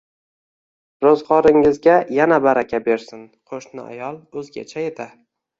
Roʻzgʻoringizga yana baraka bersin. Qoʻshni ayol oʻzgacha edi.